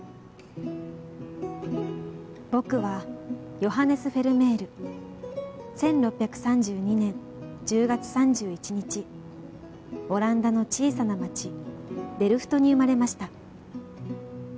「僕はヨハネス・フェルメール」「１６３２年１０月３１日オランダの小さな町デルフトに生まれました」